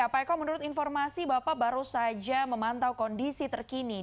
pak eko menurut informasi bapak baru saja memantau kondisi terkini